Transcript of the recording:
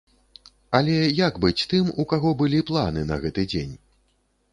Але як быць тым, у каго былі планы на гэты дзень?